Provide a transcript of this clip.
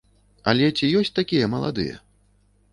Але ці ёсць такія маладыя?